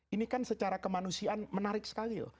ini kan secara kemanusiaan menarik sekali loh